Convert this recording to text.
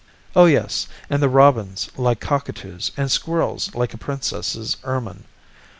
Oh, yes, and then the robins like cockatoos and squirrels like a princess's ermine!